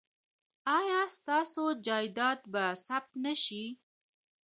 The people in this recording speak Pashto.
ایا ستاسو جایداد به ثبت نه شي؟